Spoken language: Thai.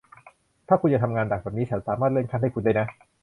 ถ้าคุณยังทำงานหนักแบบนี้ ฉันสามารถเลื่อนขั้นให้คุณได้นะ